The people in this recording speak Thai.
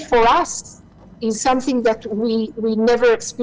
เหตุผลก็เป็นว่าเราอยู่ในภัย